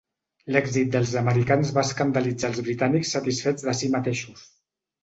L'èxit dels americans va escandalitzar els britànics satisfets de si mateixos.